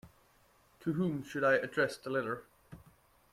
To whom should I address the letter?